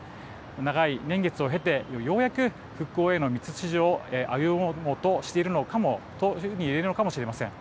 長い年月を経て、ようやく復興への道筋を歩もうとしていると言えるのかもしれません。